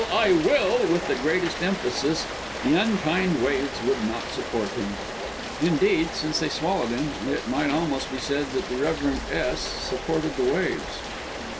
I will!" with the greatest emphasis, the unkind waves would not support him. Indeed, since they swallowed him, it might almost be said that the Rev. S supported the waves.